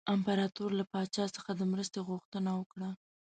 امپراطور له پاچا څخه د مرستې غوښتنه وکړه.